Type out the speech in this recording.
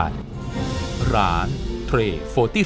ไปสิไปสิไปสิ